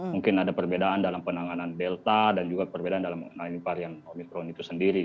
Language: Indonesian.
mungkin ada perbedaan dalam penanganan delta dan juga perbedaan dalam menangani varian omikron itu sendiri